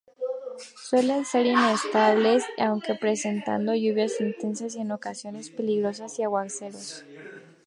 Suelen ser inestables, aunque presentando lluvias intensas y en ocasiones peligrosas y aguaceros.